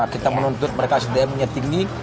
kita menuntut mereka sdm nya tinggi